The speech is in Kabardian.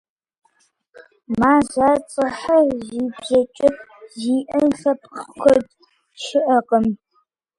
Мазэцӏэхэр зи бзэкӏэ зиӏэ лъэпкъ куэд щыӏэкъым.